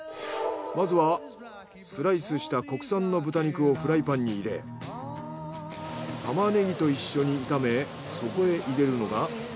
まずはスライスした国産の豚肉をフライパンに入れタマネギと一緒に炒めそこへ入れるのが。